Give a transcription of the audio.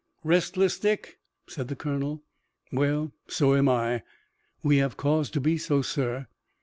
"Restless, Dick?" said the Colonel. "Well, so am I." "We have cause to be so, sir."